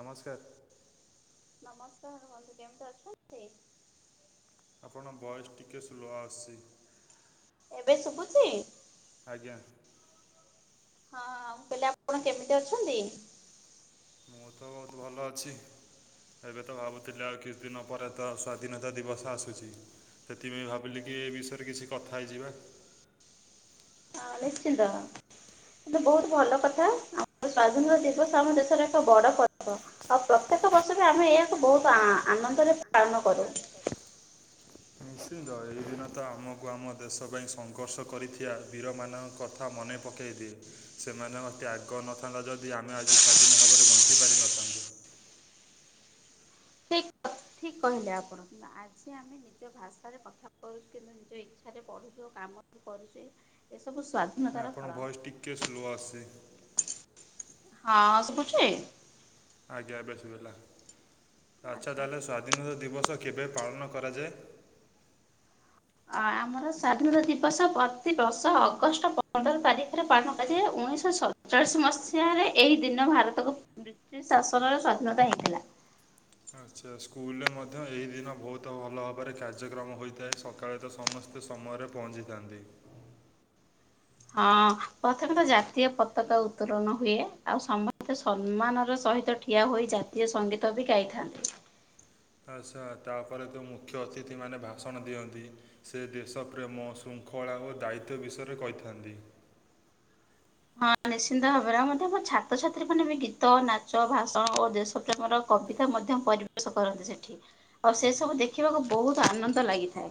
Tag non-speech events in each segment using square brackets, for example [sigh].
ନମସ୍କାର। ନମସ୍କାର ରୁହନ୍ତୁ କେମିତି ଅଛନ୍ତି? ଆପଣଙ୍କ ଭଏସ୍ ଟିକେ ସ୍ଲୋ ଆସଚି। ଏବେ ଶୁଭୁଚି? ଆଜ୍ଞା। ହଁ ମୁଁ କହିଲି ଆପଣ କେମିତି ଅଛନ୍ତି? ମୁଁ ତ ବୋହୁତ ଭଲ ଅଛି। ଏବେ ତ ଭାବୁଥିଲି ଆଉ କିଛି ଦିନ ପରେ ତ ସ୍ୱାଧୀନତା ଦିବସ ଆସୁଚି। ସେଥିପାଇଁ ଭାବିଲି କି ଏ ବିଷୟରେ କିଛି କଥା ହେଇଯିବା। ହଁ ନିଶ୍ଚିନ୍ତ। ସେତ ବୋହୁତ ଭଲ କଥା ଆମ ସ୍ଵାଧୀନତା ଦିବସ ଆମ ଦେଶର ଏକ ବଡ ପର୍ବ। ଆଉ ପ୍ରତ୍ୟେକ ବର୍ଷ ବି ଆମେ ଏହାକୁ ବୋହୁତ ଆ ଆନନ୍ଦରେ ପାଳନ କରୁ। କରୁ। ନିଶ୍ଚିନ୍ତ ଏହି ଦିନ ତ ଆମକୁ ଆମ ଦେଶ ପାଇଁ ସଂଘର୍ଷ କରିଥିବା ବୀରମାନଙ୍କ କଥା କଥା ମନେ ପକେଇଦିଏ। ସେମାନଙ୍କ ତ୍ୟାଗ ନଥାନ୍ତା ଯଦି ଆମେ ଆଜି ସ୍ଵାଧୀନ ଭାବରେ ବଞ୍ଚି ପାରିିନଥାନ୍ତୁ। ଠିକ୍ କ- ଠିକ୍ କହିଲେ ଆପଣ କିନ୍ତୁ ଆଜି ଆମେ ନିଜ ଭାଷାରେ କଥା କୋହୁଚୁ କିନ୍ତୁ ନିଜ ଇଚ୍ଛାରେ ପଢୁଚୁ କାମ ବି କରୁଚେ ଏସବୁ ସ୍ୱା ନାଇ ଆପଣଙ୍କ ଭଏସ୍ ଟିକଏ ସ୍ଲୋ ଆସଚି। ହଁ ଶୁଭୁଚି? ଆଜ୍ଞା ଏବେ ଶୁଭିଲା ଆଚ୍ଛା ଆଚ୍ଛା ତାହେଲେ ସ୍ୱାଧୀନତା ଦିବସ କେବେ ପାଳନ କରାଯାଏ? ଆ ଆମର ସ୍ୱାଧୀନତା ଦିବସ ପ୍ରତିବର୍ଷ ଅଗଷ୍ଟ ପନ୍ଦର ତାରିଖରେ ପାଳନ କରାଯାଏ ଉଣେଇଶହ ସ ରଚାଳିଶ ମସିହାରେ ଏହି ଦିନ ଭାରତକୁ ବ୍ରିଟିଶ ଶାସନର ସ୍ୱାଧୀନତା ହେଇଥିଲା। ଆଚ୍ଛା ସ୍କୁଲରେ ମଧ୍ୟ ଏହି ଦିନ ବୋହୁତ ଭଲ ଭାବରେ କାର୍ଯ୍ୟକ୍ରମ ହୋଇଥାଏ ସକାଳେ ତ ସମସ୍ତେ ସମୟରେ ପହଞ୍ଚିଥାନ୍ତି। ହଁ ପ୍ରଥମେ ତ ଜାତୀୟ ପତାକା ଉତ୍ତୋଳନ ହୁଏ ଆଉ ସମସ୍ତେ ସମ୍ମାନର ସହିତ ଠି ଠିଆ ହୋଇ ଜାତୀୟ ସଙ୍ଗୀତ ବି ଗାଇଥାନ୍ତି। ଆଚ୍ଛା ତାପରେ ତ ମୁଖ୍ୟ ଅତିଥି ମାନେ ଭାଷଣ ଦିଅନ୍ତି। ସେ ଦେଶ ପ୍ରେମ, ଶୃଙ୍ଖଳା ଓ ଦାୟିତ୍ୱ ବିଷୟରେ କହିଥାନ୍ତି। ହଁ ନିଶ୍ଚିନ୍ତ ଭାବରେ ଆମର ତ ବଛା ଛାତ୍ରଛାତ୍ରୀମାନେ ବି ଗୀତ, ନାଚ, ଭାଷଣ ଓ ଦେଶପ୍ରେମର କବିତା ମଧ୍ୟ ପରିବେଶ କରନ୍ତି ସେ ଠି ଆଉ ସେ ସବୁ ଦେଖିବାକୁ ବୋହୁତ ଆନନ୍ଦ ଲାଗିଥାଏ।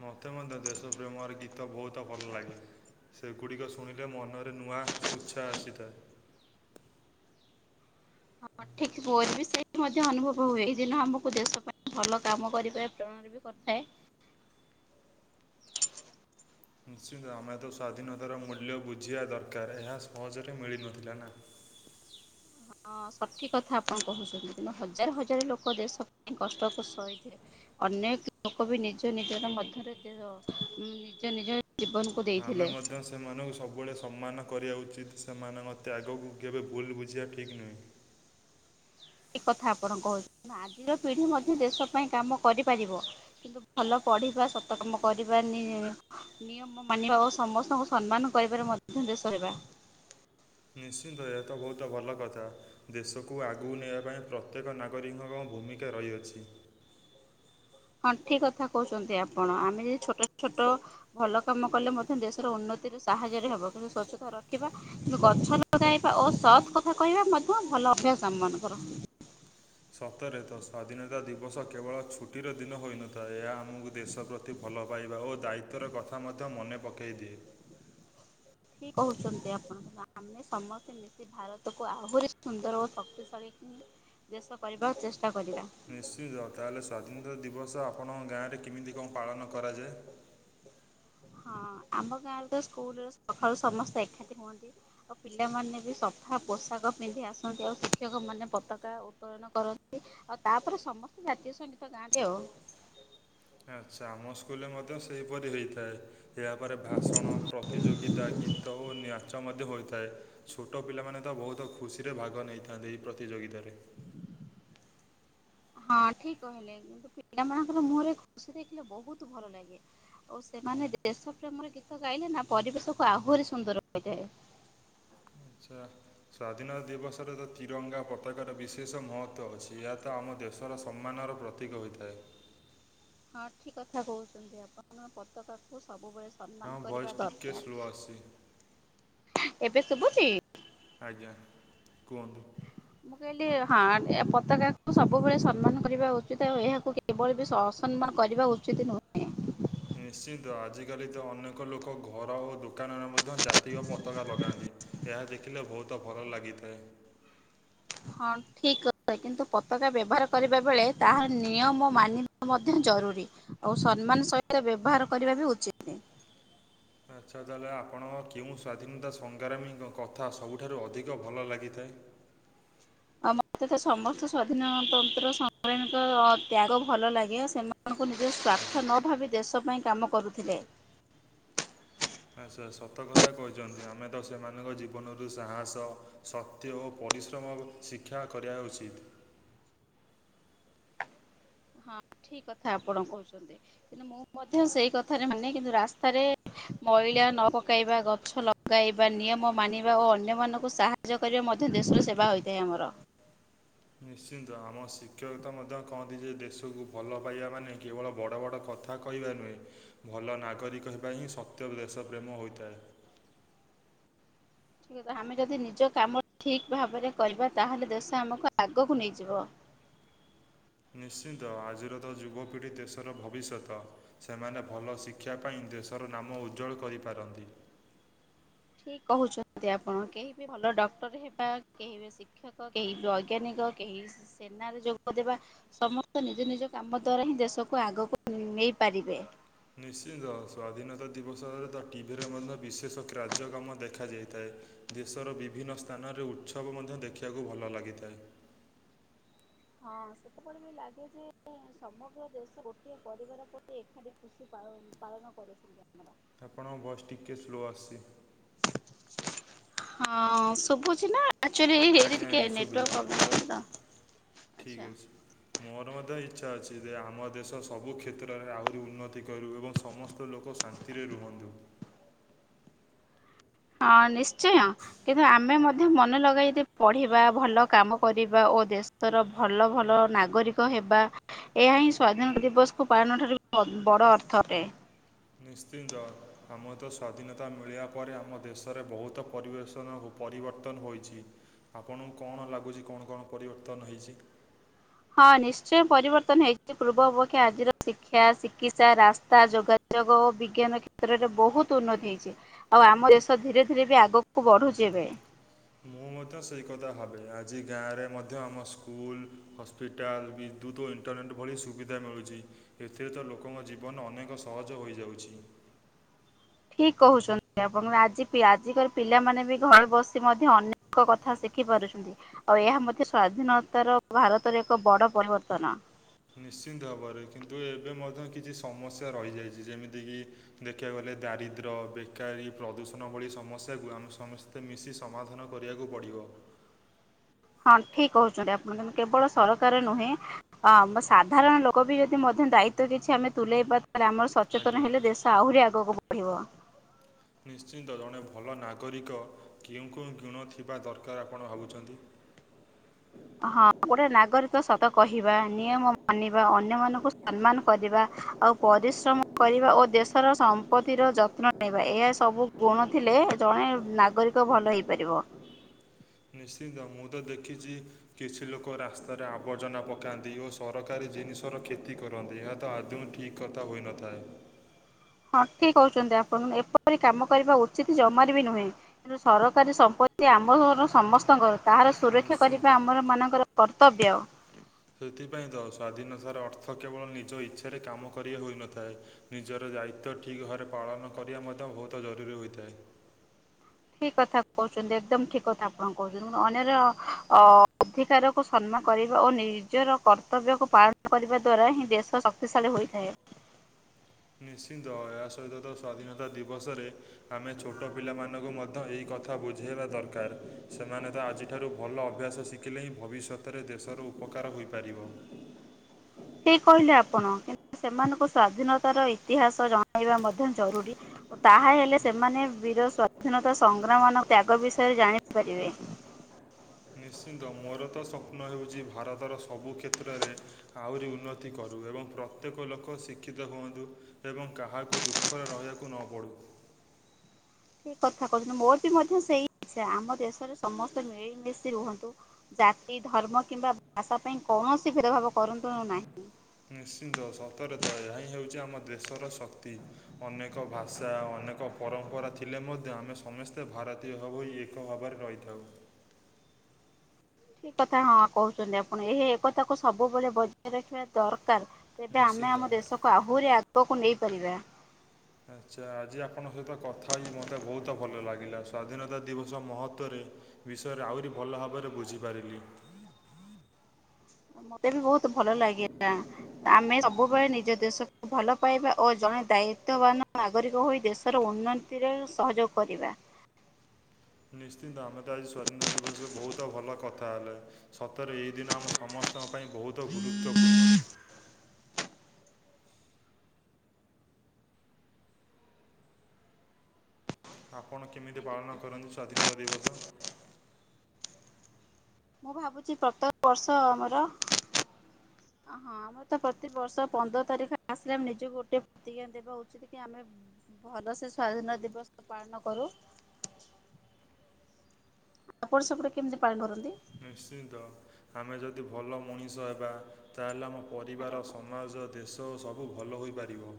ମତେ ମଧ୍ୟ ଦେଶପ୍ରେମର ଗୀତ ବୋହୁତ ଭଲ ଲାଗେ। ସେଗୁଡ଼ିକ ଶୁଣିଲେ ମନରେ ନୂଆ ସେ ଉତ୍ସାହ ଆସିଥାଏ। ହଁ ଠିକ ମୋର ବି ସେଇ ମଧ୍ୟ ଅନୁଭବ ହୁଏ ଯେନ ଆମକୁ ଦେଶ ପାଇଁ ଭଲ କାମ କରିବା ପ୍ରଣାଳି ବି କରିଥାଏ। ନିଶ୍ଚିନ୍ତ ଆମେ ତ ସ୍ୱାଧୀନତାର ମୂଲ୍ୟ ବୁଝିବା ଦରକାର ଏହା ସହଜରେ ମିଳିନଥିଲା ନା। [inaudible] ହଁ ସଠିକ୍ କଥା ଆପଣ କୋହୁଚନ୍ତି କିନ୍ତୁ ହଜାର ହଜାରେ ଲୋକ ଦେଶ ପାଇଁ କଷ୍ଟକୁ ସହିଥିଲେ। ଅନେକ ଲୋକ ବି ନିଜ ନିଜର ମଧ୍ୟରେ ନିଜ ନିଜ ଜୀବନ କୁ ଆମେ ମଧ୍ୟ ସ ସେମାନଙ୍କୁ ସବୁବେଳେ ସମ୍ମାନ କରିବା ଉଚିତ୍, ସେମାନେ ମୋତେ ଆଗକୁ କେବେ ଭୁଲ୍ ବୁଝିବା ଠିକ୍ ନୁହେଁ। ଠିକ୍ କଥା ଆପଣ କହୁ ଆଜିର ପିଢି ମଧ୍ୟ ଦେଶ ପାଇଁ କାମ କରିପାରିବ। କିନ୍ତୁ ଭଲ ପଢ଼ିବା ସତକାମ କରିବା ନିି ନିୟମ ମାନିବା ଓ ସମସ୍ତଙ୍କୁ ସମ୍ମାନ କରିବାରେ ମଧ୍ୟ ଦେସ ହେବା। ନିଶ୍ଚିନ୍ତ ଏହା ତ ବହୁତ ଭଲ କଥା। ଦେଶକୁ ଆଗକୁ ନେବା ପାଇଁ ପ୍ରତ୍ୟେକ ନାଗରିକଙ୍କ ଭୂମିକା ରହିଅଛି। ହଁ ଠିକ କଥା କହୁଛନ୍ତି ଆପଣ ଆମେ ଯଦି ଛୋଟ ଛୋଟ ଭଲ କାମ କଲେ ମଧ୍ୟ ଦେଶର ଉନ୍ନତିରେ ସାହାଯ୍ୟରେ ହବ। କିନ୍ତୁ ସ୍ଵଛତା ରଖିବା ଗଛ ଲଗେଇବା ଓ ସତ୍ କଥା କହିବା ମଧ୍ୟ ଭଲ ଅଭ୍ୟାସ ଆମ ମାନଙ୍କର। ସତରେ ତ ସ୍ୱାଧୀନତା ଦିବସ କେବଳ ଛୁଟିର ଦିନ ହୋଇନଥାଏ। ଏହା ଆମକୁ ଦେଶ ପ୍ର ତି ଭଲ ପାଇବା ଓ ଦାୟିତ୍ୱର କଥା ମଧ୍ୟ ମନେ ପକେଇ ଦିଏ। ଠିକ୍ କହୁଛନ୍ତି ଆପଣଙ୍କ ଆମେ ସମସ୍ତେ ମି ସେ ଭାରତକୁ ଆହୁରି ସୁନ୍ଦର ଓ ଶକ୍ତିଶାଳୀ ଦେଶ କରିବାକୁ ଚେଷ୍ଟା କରିବା। ନିଶ୍ଚିତ, ତାହେଲେ ସ୍ୱାଧୀନତା ଦିବସ ଆପଣଙ୍କ ଗାଁରେ କେମିତି କଣ ପାଳନ କରାଯାଏ। ହଁ ଆମ ଗାଁ ରେ ତ ସ୍କୁଲରେ ସକାଳୁ ସମସ୍ତେ ଏକାଠି ହୁଅନ୍ତି। ଆ ପିଲାମାନେ ବି ସଫା ପୋଷାକ ପିନ୍ଧି ଆସନ୍ତି, ଆଉ ଶିକ୍ଷକ ମାନେ ପତାକା ଉତ୍ତୋଳନ କରନ୍ତି। ଆଉ ତାପରେ ସମସ୍ତ ଜାତୀୟ ସଙ୍ଗୀତ ଗାଆନ୍ତି ଆଉ। ଆଚ୍ଛା ଆମ ସ୍କୁଲରେ ମଧ୍ୟ ସେହିପରି ହେଇଥାଏ। ଏହାପରେ ଭାଷଣ ପ୍ରତିଯୋଗିତା ଗୀତ ଓ ନ୍ୟାଚ ମଧ୍ୟ ହୋଇଥାଏ। ଛୋଟ ପିଲାମାନେ ତ ବହୁତ ଖୁସିରେ ଭାଗ ନେଇଥାନ୍ତି ଏହି ପ୍ରତିଯୋଗିତାରେ। ହଁ ଠିକ କହିଲେ କିନ୍ତୁ ପିଲାମାନଙ୍କର ମୁହଁରେ ଖୁସି ଦେଖିଲେ ବହୁତ ଭଲ ଲାଗେ। ଓ ସେମାନେ ଦେଶ ପ୍ରେମର ଗୀତ ଗାଇଲେ ନା ପରିବେଶକୁ ଆହୁରି ସୁନ୍ଦର ହୋଇଥାଏ। ଆଚ୍ଛା। ସ୍ଵାଧୀନତା ଦିବସରେ ତ ତିରଙ୍ଗା ପତାକାର ବିଶେଷ ମହତ୍ଵ ଅଛି। ଏହା ତ ଆମ ଦେଶର ସମ୍ମାନର ପ୍ର ପ୍ରତୀକ ହୋଇଥାଏ। ହଁ ଠିକ କଥା କହୁଛନ୍ତି ଆପଣଙ୍କ ପତାକାକୁ ସବୁବେ ହଁ ଭଏସ୍ ଟିକିଏ ସ୍ଲୋ ଆସୁଛି। ଏବେ ଶୁଭୁଛି? ଆଜ୍ଞା କୁହନ୍ତୁ? ମୁଁ କହିଲି ହଁ ଏ ପତାକାକୁ ସବୁବେଳେ ସମ୍ମାନ କରିବା ଉଚିତ ଆଉ ଏହାକୁ କେ କେବଳ ବି ଅସସମ୍ମାନ କରିବା ଉଚିତ ନୁହେଁ। ନିଶ୍ଚିତ ଆଜିକାଲି ତ ଅନେକ ଲୋକ ଘର ଓ ଦୋକାନରେ ମଧ୍ୟ ଜାତୀୟ ପତାକା ଲଗାନ୍ତି। ଏହା ଦେଖିଲେ ବହୁତ ଭଲ ଲାଗିଥାଏ। ହ। ଠିକ୍ କଥା। କିନ୍ତୁ ପତାକା ବ୍ୟବହାର କରିବା ବେଳେ ତାହାର ନିୟମ ମାନିବା ମଧ୍ୟ ଜରୁରୀ। ଆଉ ସମ୍ମାନ ସହିତ ବ୍ୟବହାର କରିବା ବି ଉଚିତ୍। ଆଚ୍ଛା ତାହେଲେ ଆପଣଙ୍କ କେଉଁ ସ୍ୱାଧୀନତା ସଂଗ୍ରାମୀ କଥା ସବୁଠାରୁ ଅଧିକ ଭଲ ଲାଗିଥାଏ। ଆ ମତେ ତ ସମସ୍ତ ସ୍ଵାଧୀନତନ୍ତ୍ର ସଂଙ୍ଗ୍ରଗୀଙ୍କ ତ୍ୟାଗ ଭଲ ଲାଗେ। ସେମାନେ ଆପଣଙ୍କୁ ନିଜ ଆଜ୍ଞା ସ୍ୱାର୍ଥ ନ ଭାବି ଦେଶ ପାଇଁ କାମ କରୁଥିଲେ। ବାସ୍ ବାଶ୍ ସତ କଥା କହିଛନ୍ତି, ଆମେ ତ ସେମାନଙ୍କ ଜୀବନରୁ ସାହସ ସ କ୍ତିଇ ଓ ପରିଶ୍ରମ ଶିକ୍ଷା କରିବା ଉଚିତ୍। ଠିକ କଥା ଆପଣ କହୁଛନ୍ତି କିନ୍ତୁ ମୁଁ ମଧ୍ୟ ସେଇ କଥାରେ ମାନେ କିନ୍ତୁ ରାସ୍ତାରେ ମଇଳା ନ ପକାଇବା ଗଛ ଲଗାଇବା ନିୟମ ମାନିବା ଓ ଅନ୍ୟମାନାନଙ୍କୁ ସାହା- ଯ୍ୟ କରିବା ମଧ୍ୟ ଦେଶର ସେବା ହୋଇଥାଏ ଆମର। ନିଶ୍ଚିନ୍ତ ଆମ ଶିକ୍ଷୟତା ମଧ୍ୟ କହନ୍ତି ଯେ, ଦେଶକୁ ଭଲ ପାଇବା ମାନେ କେବଳ ବଡ଼ ବଡ଼ କଥା କଥା କହିବା ନୁହେଁ। ଭଲ ନାଗରିକ ହେବା ହିଁ ସତ୍ୟ ଦେଶ ପ୍ରେମ ହୋଇଥାଏ। ଠିକ ଆମେ ଯଦି ନିଜ କାମ ଠିକ୍ ଭାବରେ କରିବା ତାହେଲେ ଦେଶ ଆମକୁ ଆଗକୁ ନେଇଯିବ। ନିଶ୍ଚିନ୍ତ ଆଜିର ତ ଯୁବପିଢ଼ି ଦେଶର ଭବିଷ୍ୟତ। ସେମାନେ ଭଲ ଶିକ୍ଷା ପାଇଁ ଦେଶର ନାମ ଉଜ୍ଜ୍ୱଳ କରିପାରନ୍ତି। ଠିକ କହୁଛନ୍ତି ଆପଣ, କେହି ବି ଭଲ ଡକ୍ଟର ହେବା କେହି ବି- ଶିକ୍ଷକ, କେହି ବୈଜ୍ଞାନିକ, କେହି ସେନାରେ ଯୋଗଦେବା। ସମସ୍ତେ ନିଜ ନିଜ କାମ ଦ୍ଵାରା ହିଁ ଦେଶକୁ ଆଗକୁ ନେଇପାରିବେ। ନିଶ୍ଚିନ୍ତ ସ୍ୱାଧୀନତା ଦିବସରେ ତ ଟିଭିରେ ମଧ୍ୟ ବିଶେଷ କାର୍ଯ୍ୟକ୍ରମ ଦେଖାଯାଇଥାଏ। ଦେଶର ବିଭିନ୍ନ ସ୍ଥାନରେ ଉତ୍ସବ ମଧ୍ୟ ଦେଖିବାକୁ ଭଲ ଲାଗିଥାଏ। ହଁ, ସେତେବେଳେ ବି ଲାଗେ ଯେ ସମଗ୍ର ଦେଶ ଗୋଟିଏ ପରିବାର ପରି ଏକାଠି ଖୁସି ପାଳ ପାଳନ କରିଛନ୍ତି ଯେ ଆମର। ଆପଣଙ୍କ ଭଏସ ଟିକିଏ ସ୍ଲୋ ଆସିଛି। ହଁ ଶୁଭୁଛି ନା ଆକଚୁଲି ଆଜ୍ଞା ପ୍ରବ୍ଲେ ତ ଶୁଭିଲା ହୁଁ, [unintelligible] ଠିକ୍ ଆଚ୍ଛା। ଅଛି। ମୋର ମଧ୍ୟ ଇଚ୍ଛା ଅଛି ଯେ ଆମ ଦେଶ ସବୁ କ୍ଷେତ୍ରରେ ଆହୁରି ଉନ୍ନତି କରିବୁ ଏବଂ ସମସ୍ତେ ତ ଲୋକ ଶାନ୍ତିରେ ରୁହନ୍ତୁ। ହଁ ନିଶ୍ଚୟ କିନ୍ତୁ ଆମେ ମ ଧ୍ୟ ମନେ ଲଗାଇ ପଢ଼ିବା, ଭଲ କାମ କରିବା ଓ ଦେଶର ଭଲ ଭଲ ନାଗରି କ ହେବା ଏହା ହିଁ ସ୍ଵାଧୀନତା ଦିବସକୁ ପାଳନ ଠାରୁ ବଡ ଅର୍ଥ ଅଟେ। ନିଶ୍ଚିନ୍ତ ଆମ ତ ସ୍ୱାଧୀନତା ମିଳିବା ପରେ ଆମ ଦେଶରେ ବହୁତ ପରିବେଷଣ ପରିବର୍ତ୍ତନ ହୋଇଛି। ଆପଣଙ୍କୁ କଣ ଲାଗୁଛି କଣ -କଣ ପରିବର୍ତ୍ତନ ହେଇଛି? ହଁ, ନିଶ୍ଚୟ ପରିବର୍ତ୍ତନ ହେଇଛି। ପୂର୍ବ ଅପକ୍ଷେ ଆଜିର ଶିକ୍ଷା, ଚିକିତ୍ସା, ରାସ୍ତା ଯୋଗାଯୋଗ ଓ ବିଜ୍ଞାନ କ୍ଷେତ୍ରରେ ବହୁତ ଉନ୍ନତି ହେଇଛି। ଆଉ ଆମ ଦେଶ ଧୀରେ ଧୀରେ ବି ଆଗକୁ ବଢ଼ୁଛି ଏବେ। ମୁଁ ମଧ୍ୟ ସେଇ କଥା ଭାବେ। ଆଜି ଗାଁରେ ମଧ୍ୟ ଆମ ସ୍କୁଲ ସ୍ତେ ବିଦ୍ୟୁତ୍ ଓ ଇଣ୍ଟରନେଟ୍ ଭଳି ସୁବିଧା ମିଳୁଛି। ଏଥିରେ ତ ଲୋକଙ୍କ ଜୀବନ ଅନେକ ସହଜ ହୋଇଯାଉଛି। ଠିକ କହୁଛନ୍ତି ଆପଣ। ଆଜି ଆଜିିକର ପିଲାମାନେ ବି ଘରେ ବସି ମଧ୍ୟ ଅନେକ କଥା ଶିଖି ପାରୁଛନ୍ତି। ଆଉ ଏହା ମଧ୍ୟ ସ୍ଵାଧୀନତାର ଭାରତରେ ଏକ ବଡ଼ ପରିବର୍ତ୍ତନ। ନିଶ୍ଚିନ୍ତ ଭାବରେ କିନ୍ତୁ ଏବେ ମଧ୍ୟ କିଛି ସମସ୍ୟା ରହିଯାଇଛି। ଯେମିତିକି ଦେଖିବାକୁ ଗଲେ ଦାରିଦ୍ର୍ୟ ବେକାରୀ ପ୍ରଦୂଷଣ ଭଳି ସମସ୍ୟାକୁ ଆମେ ସମ ମୋତେ ମିଶି ସମାଧାନ କରିବାକୁ ପଡ଼ିବ। ହଁ ଠିକ କହୁଛନ୍ତି ଆପଣ କେବଳ ସରକାର ନୁହେଁ ହ ଆମ ସାଧାରଣ ଲୋକ ବି ଯଦି ମଧ୍ୟ ଦାୟିତ୍ୱ କିଛି ଆମେ ତୁଲେଇବା ତାଲେ ଆମର ସଚେତନ ଆଜ୍ଞା ହେଲେ ଦେଶ ଆହୁରି ଆଗକୁ ବଢ଼ିବ। ନିଶ୍ଚିନ୍ତ ଜଣେ ଭଲ ନାଗରିକ କେଉଁ- କେଉଁ ଗୁଣ ଥିବା ଦରକାର ଆପଣ ଭାବୁଛନ୍ତି? ହଁ, ଗୋଟେ ନାଗରିକ ସତ କହିବା, ନିୟମ ମାନିବା, ଅନ୍ୟ ମାନଙ୍କୁ ସମ୍ମାନ କରିବା ଆଉ ପରିଶ୍ରମ କରିବା ଓ ଦେଶର ସମ୍ପତ୍ତିର ଯତ୍ନ ନେବା ଏହା ସବୁ ଗୁଣ ଥିଲେ ଜଣେ ନାଗରିକ ଭଲ ହେଇପାରିବ। ନିଶ୍ଚିନ୍ତ ମୁଁ ତ ଦେଖିଛି କିଛି ଲୋକ ରାସ୍ତାରେ ଆବର୍ଜନା ପକାନ୍ତି ଓ ସରକାରୀ ଜିନିଷର କ୍ଷତି କରନ୍ତି ଏହା ତ ଆଦୌ ଠିକ୍ କଥା ହୋଇନଥାଏ। ହଁ ଠିକ କହୁଛନ୍ତି ଆପଣ ଏପରି କାମ କରିବା ଉଚିତ ଜମାରେ ବି ନୁହେଁ। ସରକାରୀ ସମ୍ପତ୍ତି ଆମର ସମସ୍ତଙ୍କର। ତାହାର ସୁରକ୍ଷା ନିଶ୍ଚିନ୍ତ କରିବା ଆମର ମାନଙ୍କର କର୍ତ୍ତବ୍ୟ। ସେଥିପାଇଁ ତ ସ୍ୱାଧୀନତାର ଅର୍ଥ କେବଳ ନିଜ ଇଚ୍ଛାରେ କାମ କରି ହୋଇନଥାଏ। ନିଜର ଦାୟିତ୍ଵ ଠିକ୍ ଭାବରେ ପାଳନ କରିବା ମଧ୍ୟ ବହୁତ ଜରୁରୀ ହୋଇଥାଏ। ଠିକ କଥା କହୁଛନ୍ତି ଏକଦମ ଠିକ କଥା ଆପଣ କହୁଛନ୍ତି। ଅନ୍ୟର ଅ ଅଧିକାର କ ସମ୍ମାନ କରିବା ଓ ନିଜର କର୍ତ୍ତବ୍ୟକୁ ପାଳନ କରିବା ଦ୍ୱାରା ହିଁ ଦେଶ ଶକ୍ତିଶାଳୀ ହୋଇଥାଏ। ନିଶ୍ଚିନ୍ତ ଏହା ସହିତ ତ ସ୍ୱାଧୀନତା ଦିବସରେ ଆମେ ଛୋଟ ପିଲାମାନଙ୍କୁ ମଧ୍ୟ ଏହି କଥା ବୁଝେଇବା ଦରକାର। ସେମାନେ ତ ଆଜିଠାରୁ ଭଲ ଅଭ୍ୟାସ ଶିକ କିଲେ ହିଁ ଭବିଷ୍ୟତରେ ଦେଶର ଉପକାର ହୋଇପାରିବ। ଠିକ କହିଲେ ଆପଣ, କିନ୍ତୁ ସେମାନଙ୍କୁ ସ୍ୱାଧୀନତାର ଇତିହାସ ଜଣେଇବା ମଧ୍ୟ ଜରୁରୀ। ଓ ତାହା ହେଲେ ସେମାନେ ବୀର ସ୍ଵାଧୀନତା ସଂଗ୍ରାମ ମାନଙ୍କ ତ୍ୟାଗ ବିଷୟରେ ଜାଣି ପାରିବେ। ନିଶ୍ଚିନ୍ତ ମୋର ତ ସ୍ୱପ୍ନ ହେଉଚି ଭାରତର ସବୁ କ୍ଷେତ୍ରରେ ଆଉରି ଉନ୍ନତି କରୁ। ଏବଂ ପ୍ର ତ୍ୟେକ ଲୋକ ଶିକ୍ଷିତ ହୁଅନ୍ତୁ ଏବଂ କାହାକୁ ଦୁଃଖରେ ରହିବାକୁ ନ ପଡ଼ୁ। ଠିକ କଥା କହୁଛନ୍ତି। ମୋର ବି ମଧ୍ୟ ସେଇ ଇଚ୍ଛା ଆମ ଦେଶରେ ସମସ୍ତେ ମିଳିମିଶି ରୁହନ୍ତୁ। ଜାତି ଧର୍ମ କିମ୍ବା ଭାଷା ପାଇଁ କୌଣସି ଭେଦଭାବ କରନ୍ତୁ ନାହିଁ। ନିଶ୍ଚିନ୍ତ ସତରେ ତ ଏହା ହିଁ ହେଉଚି ଆମ ଦେଶର ଶକ୍ତି। ଅନେକ ଭାଷା ଅନେକ ପରମ୍ପରା ଥିଲେ ମଧ୍ୟ ଆମେ ସମସ୍ତେ ଭାରତୀୟ ଭାବ ହୋଇ ଏକ ଭାବରେ ରହିଥାଉ। ଠିକ କଥା ହଁ କହୁଛନ୍ତି ଆପଣ। ଏହି ଏକତାକୁ ସବୁବେଳେ ବଜାୟ ରଖିବା ଦରକାର। ତେବେ ଆମେ ନିଶ୍ଚିନ୍ତ ଆମ ଭାବରେ ଦେଶକୁ ଆହୁରି ଆଗକୁ ନେଇପାରିବା। ଆଚ୍ଛା ଆଜି ଆପଣଙ୍କ ସହିତ କଥା ହେଇ ମୋତେ ବହୁତ ଭଲ ଲାଗିଲା। ସ୍ୱାଧୀନତା ଦିବସ ମହତ୍ଵରେ ବିଷୟରେ ଆହୁରି ଭଲ ଭାବରେ ବୁଝିପାରିଲି। ମୋତେ ବି ବହୁତ ଭଲ ଲାଗିଲା। ଆମେ ସବୁବେଳେ ନିଜ ଦେଶକୁ ଭଲ ପାଇବା ଓ ଜଣେ ଦାୟିତ୍ୱବାନ ନାଗରିକ ହୋଇ ଦେଶର ଉନ୍ନ ତିରେ ସହଯୋଗ କରିବା। ନିଶ୍ଚିନ୍ତ ଆମେ ତ ଆଜି ସ୍ୱାଧୀନତା ଦିବସ ରେ ବହୁତ ଭଲ କଥା ହେଲେ। ସତରେ ଏଇ ଦିନ ଆମ ସମସ୍ତ ତଙ୍କ ପାଇଁ ବହୁତ ଗୁରୁତ୍ୱପୂର୍ଣ୍ଣ। ଆପଣ କେମିତି ପାଳନ କରନ୍ତି ସ୍ୱାଧୀନତା ଦିବସ? ମୁଁ ଭାବୁଚି ପ୍ରତ୍ୟେକ ବର୍ଷ ଆମର ହଁ ଆମର ତ ପ୍ରତି ବର୍ଷ ପନ୍ଦର ତାରିଖ ଆସିଲେ ଆମେ ନିଜକୁ ଗୋଟେ ପ୍ରତିଜ୍ଞା ଦେବା ଉଚିତ କି ଆମେ ଭଲସେ ସ୍ଵାଧୀନ ଦିବସ ପାଳନ କରୁ। ଆପଣ ସେପଟେ କେମିତି ପାଳନ କରନ୍ତି? ନିଶ୍ଚିନ୍ତ ଆମେ ଯଦି ଭଲ ମଣିଷ ହେବା, ତାହେଲେ ଆମ ହ୍ୟାଲୋ। ପରିବାର ସମ୍ ମାଜ ଦେଶ ଓ ସବୁ ଭଲ ହୋଇପାରିବ।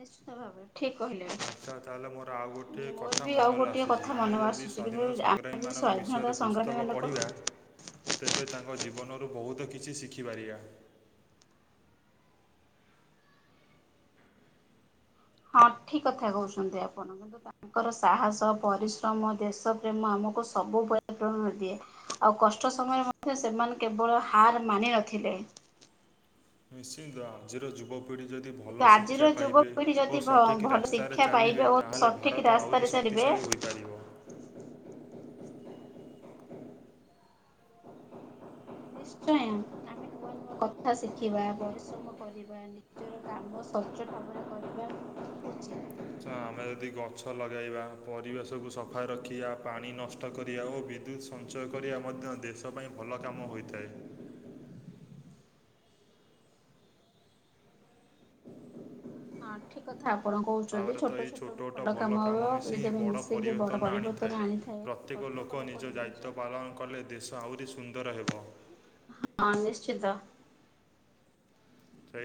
ନିଶ୍ଚିନ୍ତ ଭାବେ। ଆଚ୍ଛା ତାହେଲେ ମୋର ଆଉ ଗୋଟେ ମୋର କଥା ବି ଆଉ ମନରେ ଗୋଟିଏ ଆସୁଛି। କଥା ଆମେ ମନକୁ ଯଦି ଆସୁଛି କିନ୍ତୁ ସ୍ୱାଧୀନତା ଆମେ ଯେ ସଂଗ୍ରାମୀମାନଙ୍କ ସ୍ଵାଧୀନତା ବିଷୟରେ ସଂଗ୍ରାମୀ ପୁସ୍ତକ ମାନଙ୍କ ପଢ଼ିବା ତେବେ ତାଙ୍କ ଜୀବନରୁ ବହୁତ କିଛି ଶିଖିପାରିବା। ହଁ ଠିକ କଥା କହୁଛନ୍ତି ଆପଣ। କିନ୍ତୁ ତାଙ୍କର ସାହସ ପରିଶ୍ରମ ଦେଶ ପ୍ରେମ ଆମକୁ ସବୁବେଳେ ପ୍ରେରଣା ଦିଏ। ଆଉ କଷ୍ଟ ସମୟରେ ମଧ୍ୟ ସେମାନେ କେବଳ ହାର ମାନି ନଥିଲେ। ନିଶ୍ଚିନ୍ତ ଆଜି ର ଯୁବ ପିଢ଼ି ଯଦି କିନ୍ତୁ ଭଲ ଶିକ୍ଷା ଆଜିର ପାଇବେ ଯୁବପିଢି ଓ ଯଦି ସଠିକ୍ ଭଲ ରାସ୍ତାରେ ଶିକ୍ଷା ଚାଲିବେ। ପାଇବେ ଓ ତାହେଲେ ସଠିକ ଭାରତ ଆହୁରି ରାସ୍ତାରେ ଚାଲିବେ ଶକ୍ତିଶାଳୀ ହୋଇପାରିବ। ନିଶ୍ଚୟ ଆ [inaudible] ଆମେ ନୂଆ ନୂଆ କଥା ଶିଖିବା, ପରିଶ୍ରମ କରିବା। [inaudible] ନିଜର କାମ ସଚ୍ଚୋଟ ଭାବରେ କରିବା ଉଚିତ। ତ ଆମେ ଯଦି ଗଛ ଲଗାଇବା, ପରିବେଶକୁୁ ସଫା ରଖିବା, ପାଣି ନଷ୍ଟ କରିବା ଓ ବିଦ୍ୟୁତ ସଞ୍ଚୟ କରିବା ମଧ୍ୟ ଦେଶ ପାଇଁ ଭଲ କାମ ହୋଇଥାଏ। ତାପରେ ତ ଏଇ ଛୋଟ ଓଟ ଭଲ କାମ ମିଶିି ହିଁ ବଡ ପରିବର୍ତ୍ତନ ଆଣିଥାଏ। ପ୍ରତ୍ୟେକ ଲୋକ ନିଜ ଦାୟିତ୍ୱ ପାଳନ କଲେ ଦେଶ ଆହୁରି ସୁନ୍ଦର ହେବ। ହଁ ନିଶ୍ଚିିତ। ସେଇ